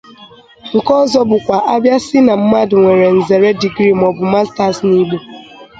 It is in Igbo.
nke ọzọ bụkwa a bịa a sị na mmadụ nwere nzèré 'Degree' maọbụ 'Masters' n'Igbo